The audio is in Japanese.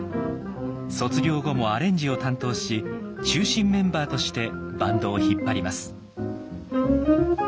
卒業後もアレンジを担当し中心メンバーとしてバンドを引っ張ります。